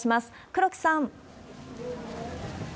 黒木さん。